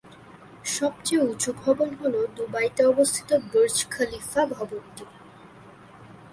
সবচেয়ে উঁচু ভবন হলো দুবাইতে অবস্থিত ‘বুর্জ খলিফা’ ভবনটি।